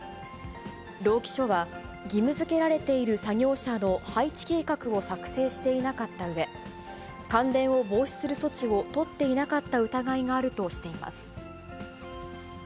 労基署は、義務づけられている作業車の配置計画を作成していなかったうえ、感電を防止する措置を取っていなかった疑いがあるとしています。